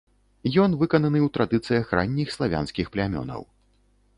Ён выкананы ў традыцыях ранніх славянскіх плямёнаў.